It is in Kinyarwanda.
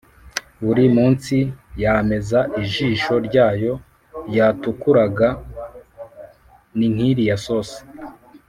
buri munsi yameza ijisho ryayo ryatukuraga ni nkiriya sosi